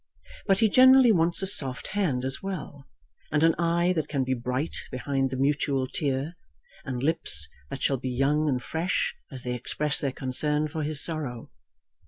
But he generally wants a soft hand as well, and an eye that can be bright behind the mutual tear, and lips that shall be young and fresh as they express their concern for his sorrow.